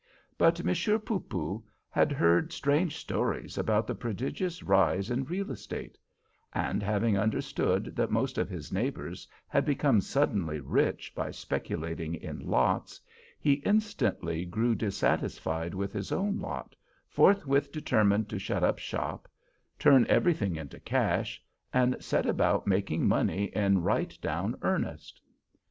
But Monsieur Poopoo had heard strange stories about the prodigious rise in real estate; and, having understood that most of his neighbors had become suddenly rich by speculating in lots, he instantly grew dissatisfied with his own lot, forthwith determined to shut up shop, turn everything into cash, and set about making money in right down earnest.